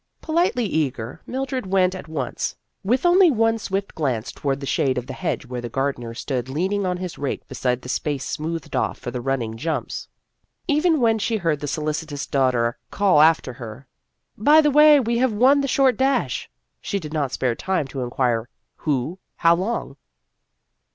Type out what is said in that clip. Politely eager, Mildred went at once, with only one swift glance toward the shade of the hedge where the gardener stood leaning on his rake beside the space smoothed off for the running jumps. Even when she heard the solicitous daughter call after her, " By the way, we have won the short dash," she did not spare time to inquire, " Who ? How long